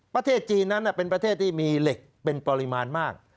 ประเทศจีนนั้นเป็นประเทศที่มีเหล็กเป็นปริมาณมาก